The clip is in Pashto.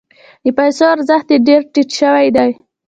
د پیسو ارزښت یې ډیر ټیټ شوی دی.